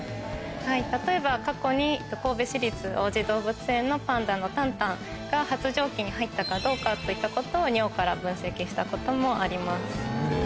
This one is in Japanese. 例えば、過去に神戸市立王子動物園のパンダのタンタンが発情期に入ったかどうかといったことを尿から分析したこともあります。